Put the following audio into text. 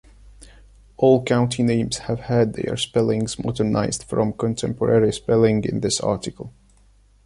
All county names have had their spellings modernized from contemporary spelling in this article.